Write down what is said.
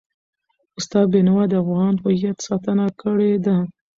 استاد بینوا د افغان هویت ستاینه کړې ده.